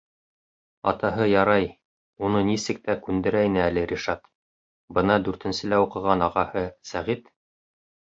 Атаһы ярай, уны нисек тә күндерә ине әле Ришат, бына дүртенселә уҡыған агаһы Сәғит...